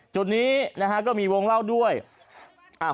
จุดนี้นะฮะก็มีวงเล่าด้วยอ่า